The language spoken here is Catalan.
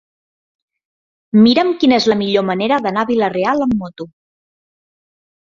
Mira'm quina és la millor manera d'anar a Vila-real amb moto.